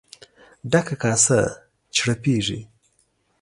ډکه کاسه چړپېږي.